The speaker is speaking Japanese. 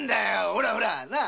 ほらほら